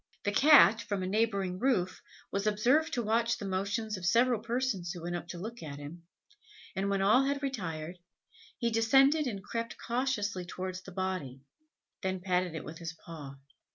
The Cat, from a neighbouring roof, was observed to watch the motions of several persons who went up to look at him, and when all had retired, he descended and crept cautiously towards the body, then patted it with his paw.